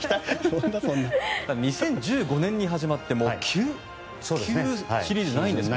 ２０１５年に始まってもう９シリーズですね。